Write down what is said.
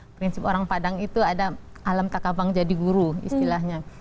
prinsip orang padang itu ada alam takabang jadi guru istilahnya